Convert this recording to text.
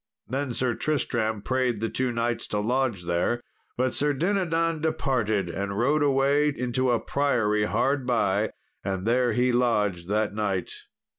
Then Sir Tristram prayed the two knights to lodge there; but Sir Dinadan departed and rode away into a priory hard by, and there he lodged that night.